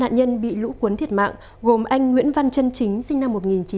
ba nạn nhân bị lũ cuốn thiệt mạng gồm anh nguyễn văn trân chính sinh năm một nghìn chín trăm bảy mươi sáu